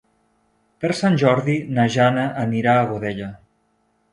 Per Sant Jordi na Jana anirà a Godella.